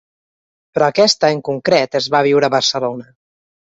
Però aquesta en concret es va viure a Barcelona.